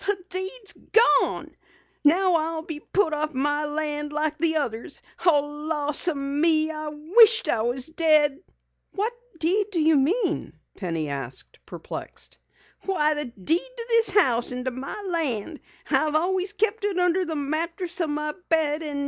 "The deed's gone! Now I'll be put off my land like the others. Oh, lawseeme, I wisht I was dead!" "What deed do you mean?" Penny asked, perplexed. "Why, the deed to this house and my land! I've always kept it under the mattress o' my bed.